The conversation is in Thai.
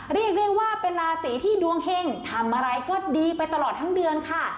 เรียกได้ว่าเป็นราศีที่ดวงเห็งทำอะไรก็ดีไปตลอดทั้งเดือนค่ะ